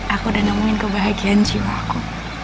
aku udah ngomongin kebahagiaan jiwaku